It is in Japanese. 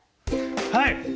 はい！